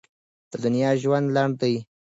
د دنیا ژوند لنډ دی.